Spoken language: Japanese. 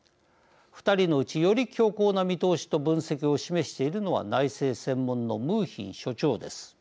２人のうちより強硬な見通しと分析を示しているのは内政専門のムーヒン所長です。